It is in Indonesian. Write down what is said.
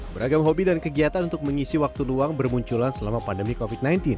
beragam hobi dan kegiatan untuk mengisi waktu luang bermunculan selama pandemi covid sembilan belas